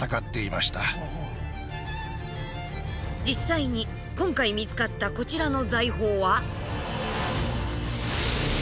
実際に今回見つかったこちらの財宝は。